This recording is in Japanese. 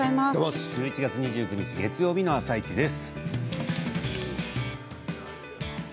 １１月２９日月曜日の「あさイチ」です。